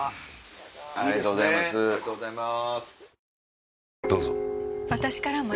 ありがとうございます。